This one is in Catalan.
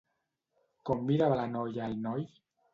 Com mirava la noia al noi?